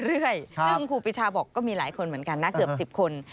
ซึ่งครูปีชาบอกก็มีหลายคนเหมือนกันนะเกือบ๑๐คน